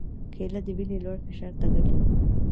کېله د وینې لوړ فشار ته ګټه لري.